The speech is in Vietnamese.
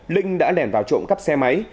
linh đã nền vào trộm cắp xe máy